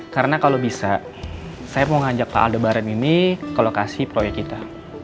karena kalau bisa saya mau ngajak pak aldebaran ini ke lokasi proyek kita